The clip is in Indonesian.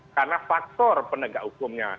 karena faktor penegak hukumnya